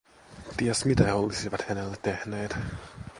Ties mitä he olisivat hänelle tehneet.